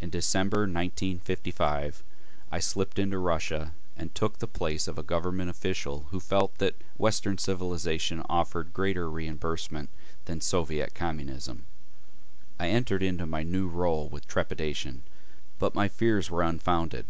In December 1955, I slipped into Russia and took the place of a government official who felt that Western civilization offered greater reimbursement than Soviet Communism. I entered into my new role with trepidation, but my fears were unfounded.